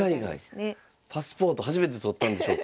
パスポート初めて取ったんでしょうか。